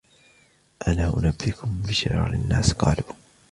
أَلَا أُنْبِئُكُمْ بِشِرَارِ النَّاسِ ؟ قَالُوا